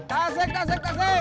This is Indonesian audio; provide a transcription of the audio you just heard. tasik tasik tasik